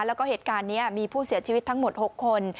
แล้วก็เหตุการณ์นี้มีผู้เสียชีวิตทั้งหมด๖คน